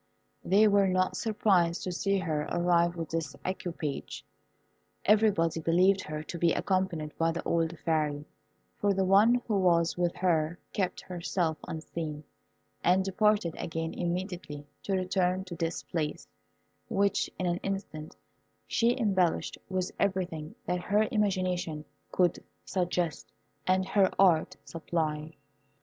They were not surprised to see her arrive with this equipage. Everybody believed her to be accompanied by the old Fairy, for the one who was with her kept herself unseen, and departed again immediately to return to this place, which, in an instant, she embellished with everything that her imagination could suggest and her art supply.